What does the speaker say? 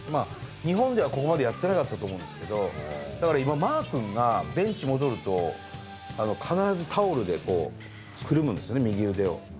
日本ではここまでやってなかったと思うんですけど、だから今、マー君が今ベンチ戻ると、必ずタオルでくるむんですね、右腕を。